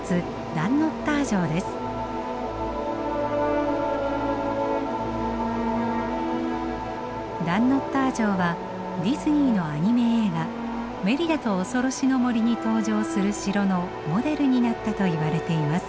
ダンノッター城はディズニーのアニメ映画「メリダとおそろしの森」に登場する城のモデルになったといわれています。